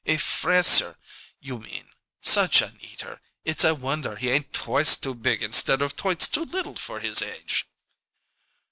A fresser, you mean. Such an eater, it's a wonder he ain't twice too big instead of twice too little for his age."